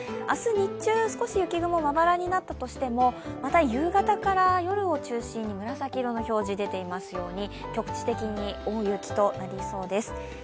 明日日中、少し雪雲がまばらになったとしてもまた夕方から夜を中心に紫色の表示が出ていますように、局地的に大雪となりそうです。